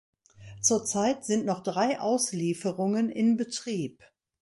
Zurzeit sind noch drei Auslieferungen in Betrieb.